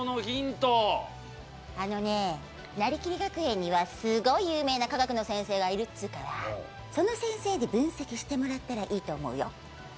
あのね、なりきり学園にはすごい有名な化学の先生がいるっつうから、その先生に分析してもらったらいいと思うよ。